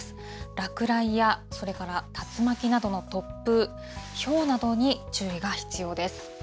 落雷やそれから竜巻などの突風、ひょうなどに注意が必要です。